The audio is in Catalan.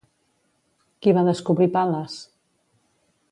Qui va descobrir Pal·les?